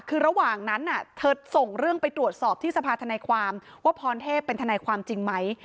คือระหว่างนั้นเธอส่งเรื่องไปตรวจสอบที่สภาธนายความว่าพรเทพเป็นทนายความจริงไหม